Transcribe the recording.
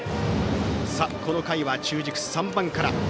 この回は中軸、３番から。